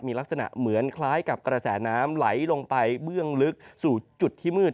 มีลักษณะเหมือนคล้ายกับกระแสน้ำไหลลงไปเบื้องลึกสู่จุดที่มืด